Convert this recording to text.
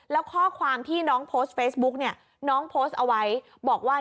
แล้วข้อความที่น้องโพสต์เฟซบุ๊กเนี่ยน้องโพสต์เอาไว้บอกว่า